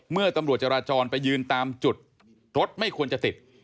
เมื่อตำรวจจราจรไปยืนตามจุดรถไม่ควรจะติด